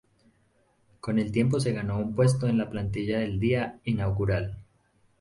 Con el tiempo se ganó un puesto en la plantilla del Día Inaugural.